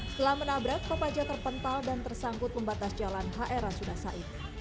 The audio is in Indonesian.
setelah menabrak kopaja terpental dan tersangkut membatas jalan hr rasudasaib